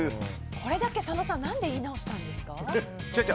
これだけ佐野さん何で言い直したんですか。